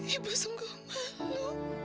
ibu sungguh malu